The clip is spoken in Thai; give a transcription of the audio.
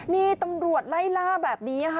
นี่ตำรวจไล่ล่าแบบนี้ค่ะ